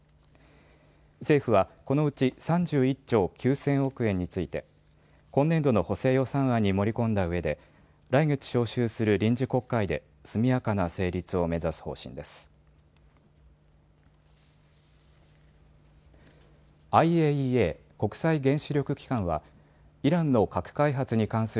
政府はこのうち３１兆９０００億円について今年度の補正予算案に盛り込んだうえで来月召集する臨時国会で速やかな成立を目指す方針です。